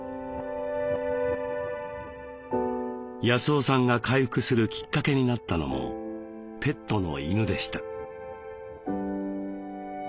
康雄さんが回復するきっかけになったのもペットの犬でした。